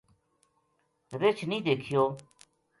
رچھ نیہہ دیکھیو